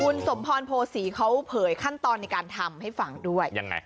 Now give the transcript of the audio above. คุณสมพรโพศีเขาเผยขั้นตอนในการทำให้ฟังด้วยยังไง